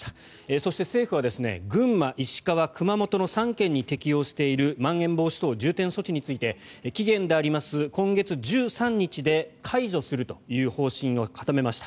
そして、政府は群馬、石川、熊本の３県に適用しているまん延防止等重点措置について期限である今月１３日で解除するという方針を固めました。